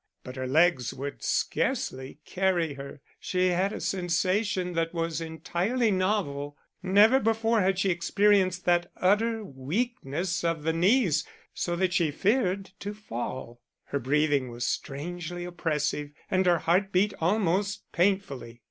But her legs would scarcely carry her, she had a sensation that was entirely novel; never before had she experienced that utter weakness of the knees so that she feared to fall; her breathing was strangely oppressive, and her heart beat almost painfully.